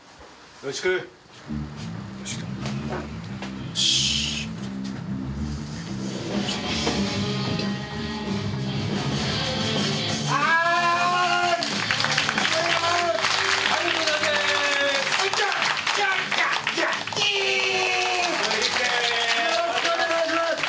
よろしくお願いします。